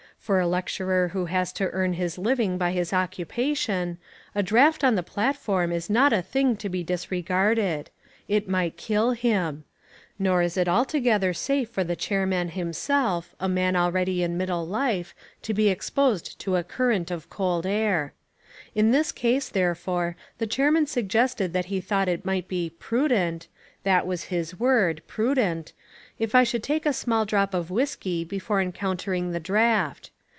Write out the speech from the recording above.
For a lecturer who has to earn his living by his occupation, a draft on the platform is not a thing to be disregarded. It might kill him. Nor is it altogether safe for the chairman himself, a man already in middle life, to be exposed to a current of cold air. In this case, therefore, the chairman suggested that he thought it might be "prudent" that was his word, "prudent" if I should take a small drop of whiskey before encountering the draft.